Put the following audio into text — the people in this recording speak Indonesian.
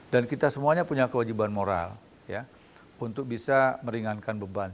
dan kita semuanya punya kewajiban moral ya untuk bisa meringankan beban